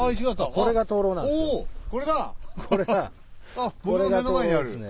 これが灯籠ですね。